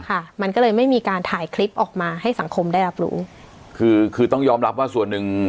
ค่ะมันก็เลยไม่มีการถ่ายคลิปออกมาให้สังคมได้รับรู้คือคือต้องยอมรับว่าส่วนหนึ่ง